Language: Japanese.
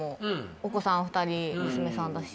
お子さん２人娘さんだし